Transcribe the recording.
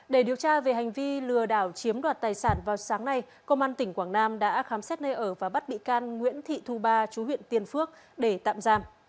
để điều tra về hành vi lừa đảo chiếm đoạt tài sản vào sáng nay công an tỉnh quảng nam đã khám xét nơi ở và bắt bị can nguyễn thị thu ba chú huyện tiên phước để tạm giam